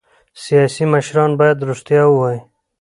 سیاسي مشران باید رښتیا ووايي